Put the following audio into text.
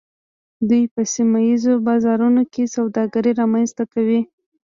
دوی په سیمه ایزو بازارونو کې سوداګري رامنځته کوي